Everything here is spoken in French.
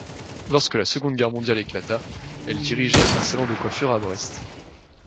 Lorsque la Seconde Guerre mondiale éclata, elle dirigeait un salon de coiffure à Brest.